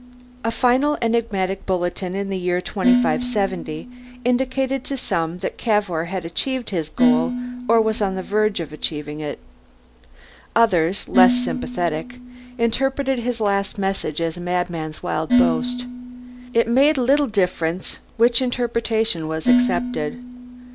A final enigmatic bulletin in the year 2570 indicated to some that Cavour had achieved his goal or was on the verge of achieving it; others, less sympathetic, interpreted his last message as a madman's wild boast. It made little difference which interpretation was accepted.